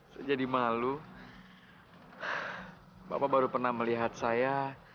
sejadi malu bapak baru pernah melihat saya